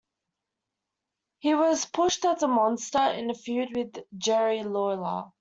He was pushed as a "monster" in a feud with Jerry Lawler.